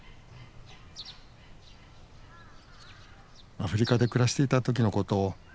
アフリカで暮らしていた時のこと。